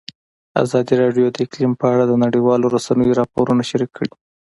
ازادي راډیو د اقلیم په اړه د نړیوالو رسنیو راپورونه شریک کړي.